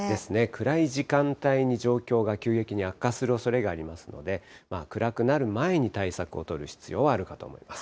暗い時間帯に状況が急激に悪化するおそれがありますので、暗くなる前に対策を取る必要はあるかと思います。